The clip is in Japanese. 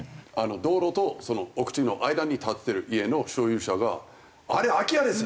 道路と奥地の間に立ってる家の所有者が「あれ空き家です。